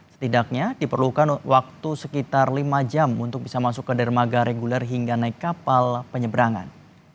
setidaknya diperlukan waktu sekitar lima jam untuk bisa masuk ke dermaga reguler hingga naik kapal penyeberangan